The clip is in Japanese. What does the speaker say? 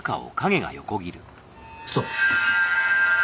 ストップ。